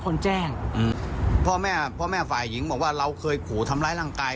คนแจ้งอืมพ่อแม่พ่อแม่ฝ่ายหญิงบอกว่าเราเคยขู่ทำร้ายร่างกาย